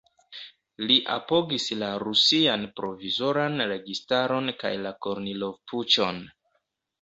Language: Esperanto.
Li apogis la Rusian provizoran registaron kaj la Kornilov-puĉon.